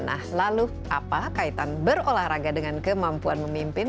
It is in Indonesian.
nah lalu apa kaitan berolahraga dengan kemampuan memimpin